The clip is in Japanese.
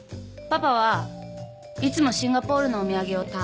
パパはいつもシンガポールのお土産を。